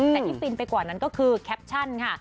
แต่ที่ฟินไปกว่านั้นก็คือแคปชั่นค่ะ